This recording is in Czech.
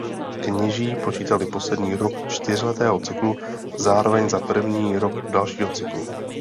Kněží počítali poslední rok čtyřletého cyklu zároveň za první rok dalšího cyklu.